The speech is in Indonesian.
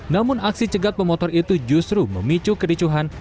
namun aksi cegat pemotor itu justru memicu kericuhan